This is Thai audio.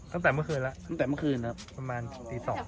ตั้งแต่เมื่อคืนแล้วตั้งแต่เมื่อคืนครับประมาณตี๒